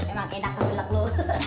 emang enak kecelak lo